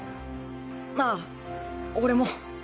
ああ俺も。